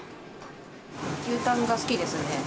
牛タンが好きですね。